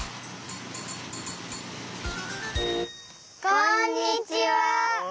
こんにちは。